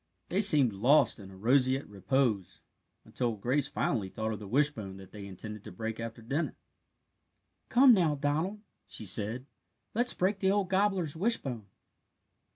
They seemed lost in a roseate repose, until Grace finally thought of the wishbone that they intended to break after dinner. "Come, now, Donald," she said, "let's break the old gobbler's wishbone."